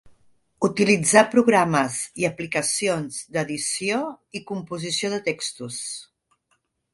Utilitzar programes i aplicacions d'edició i composició de textos.